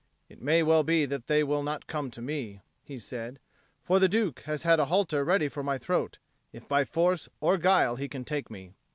"It may well be that they will not come to me," he said. "For the Duke has a halter ready for my throat, if by force or guile he can take me."